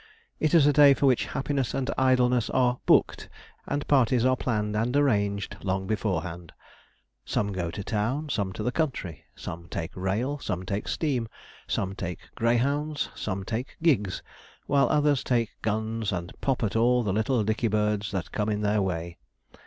It is a day for which happiness and idleness are 'booked,' and parties are planned and arranged long beforehand. Some go to the town, some to the country; some take rail; some take steam; some take greyhounds; some take gigs; while others take guns and pop at all the little dicky birds that come in their way.